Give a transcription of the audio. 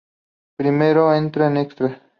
Primero entra en Extras.